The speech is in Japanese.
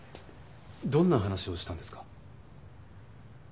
どんな話をしたんですか？